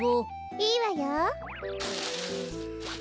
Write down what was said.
いいわよ。